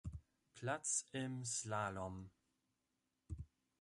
Platz im Slalom.